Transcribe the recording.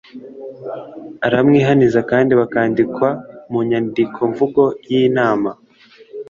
aramwihaniza kandi bikandikwa mu nyandikomvugo y inama